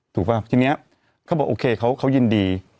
ป่ะทีนี้เขาบอกโอเคเขายินดี